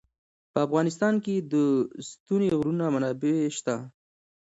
په افغانستان کې د ستوني غرونه منابع شته.